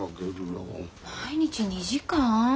毎日２時間？